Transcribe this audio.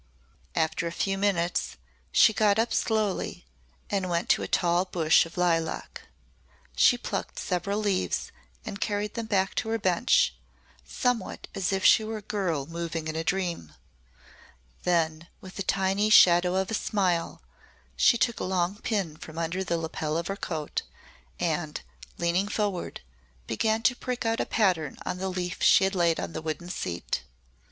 After a few minutes she got up slowly and went to a tall bush of lilac. She plucked several leaves and carried them back to her bench, somewhat as if she were a girl moving in a dream. Then, with a tiny shadow of a smile, she took a long pin from under the lapel of her coat and, leaning forward, began to prick out a pattern on the leaf she had laid on the wooden seat.